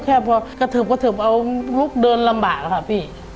แค่พอกระเทิบกระเทิบเอาลุกเดินลำบากค่ะพี่